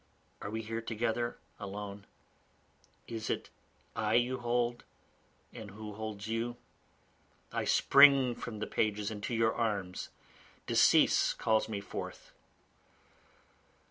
are we here together alone?) It is I you hold and who holds you, I spring from the pages into your arms decease calls me forth.